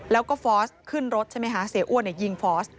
แล้วก็ฟอร์สขึ้นรถใช่ไหมคะเสียอ้วนยิงฟอส